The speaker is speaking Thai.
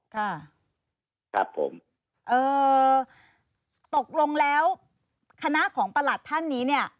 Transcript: ค่ะครับผมเอ่อตกลงแล้วคณะของประหลัดท่านนี้เนี่ย